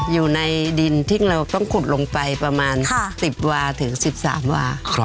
อยู่ในดินที่เราต้องขุดลงไปประมาณ๑๐วาถึง๑๓วา